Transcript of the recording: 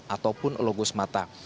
ataupun logo semata